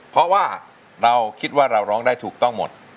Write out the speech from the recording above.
เพราะว่าเราคิดว่าเราร้องได้ถูกต้องหมด